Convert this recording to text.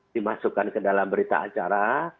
dimasukkan ke dalam berita acara